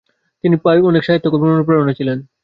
তিনি পোর অনেক সাহিত্যকর্মের অনুপ্রেরণা ছিলেন